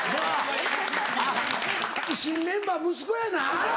新メンバー息子やな？